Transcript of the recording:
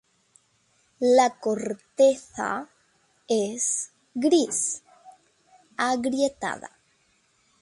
La corteza es gris, agrietada.